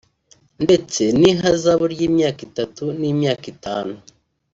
ndetse n’ihazabu y’imyaka itatu n’imyaka itanu